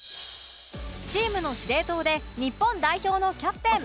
チームの司令塔で日本代表のキャプテン